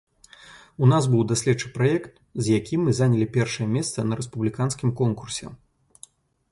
У нас быў даследчы праект, з якім мы занялі першае месца на рэспубліканскім конкурсе.